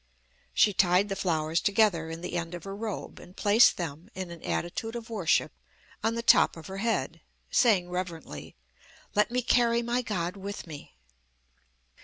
She tied the flowers together in the end of her robe, and placed them, in an attitude of worship, on the top of her head, saying reverently: "Let me carry my God with me."